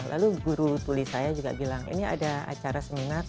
lalu guru tuli saya juga bilang ini ada acara seminar